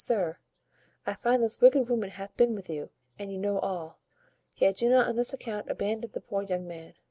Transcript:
sir, I find this wicked woman hath been with you, and you know all; yet do not on this account abandon the poor young man.